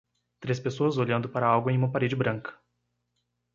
Três pessoas olhando para algo em uma parede branca.